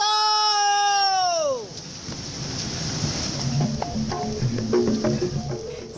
kampung bugis menunjukkan bahwa kapal berlayar